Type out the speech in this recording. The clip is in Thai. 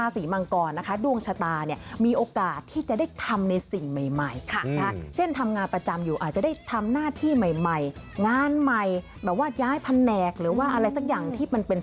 สุดท้ายจะดีขึ้นแหละแน่นอน